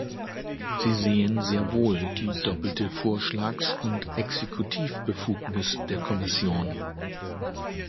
Sie sehen sehr wohl die doppelte Vorschlags- und Exekutivbefugnis der Kommission.